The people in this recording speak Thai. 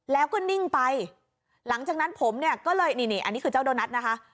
แล้วก็นิ่งไปหลังจากนั้นผมเนี่ยก็เลยนี่นี่อันนี้คือเจ้าโดนัทนะคะ